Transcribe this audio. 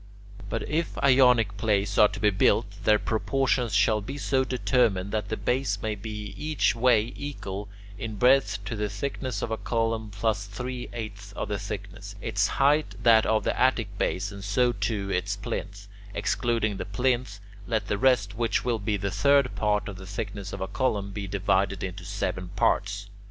But if Ionic bases are to be built, their proportions shall be so determined that the base may be each way equal in breadth to the thickness of a column plus three eighths of the thickness; its height that of the Attic base, and so too its plinth; excluding the plinth, let the rest, which will be a third part of the thickness of a column, be divided into seven parts.